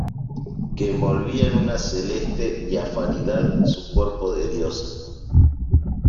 que envolvía en una celeste diafanidad su cuerpo de diosa.